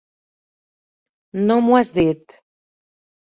No m'ho has dit.